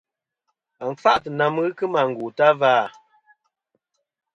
Wa n-kfâʼtɨ̀ na mɨ n-ghɨ kɨmɨ àngù ta va à?